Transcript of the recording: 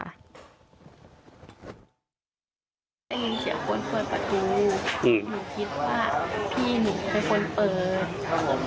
ได้ยินเสียงคนเปิดประตูหนูคิดว่าพี่หนูเป็นคนเปิดครับผม